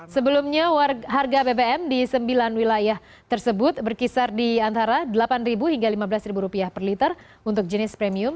sebelumnya harga bbm di sembilan wilayah tersebut berkisar di antara rp delapan hingga rp lima belas per liter untuk jenis premium